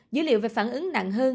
dữ liệu về phản ứng nặng hơn